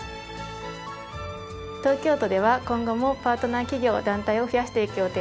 東京都では今後もパートナー企業団体を増やしていく予定です。